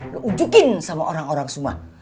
lo ujukin sama orang orang semua